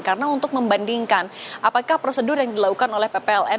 karena untuk membandingkan apakah prosedur yang dilakukan oleh ppln